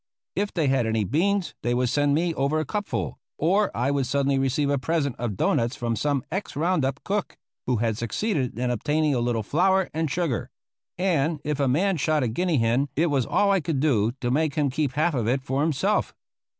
If they had any beans they would send me over a cupful, or I would suddenly receive a present of doughnuts from some ex roundup cook who had succeeded in obtaining a little flour and sugar, and if a man shot a guinea hen it was all I could do to make him keep half of it for himself.